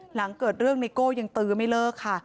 หลังเกิดเรื่องไนโก้ยังตื้อไม่เลิกค่ะ